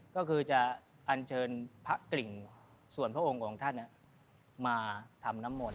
ก็คือจะอันเชิญพระกริ่งส่วนพระองค์องค์ท่านมาทำน้ำมนต